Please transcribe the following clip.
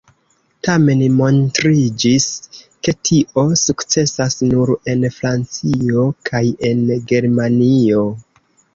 Tamen montriĝis, ke tio sukcesas nur en Francio kaj en Germanio.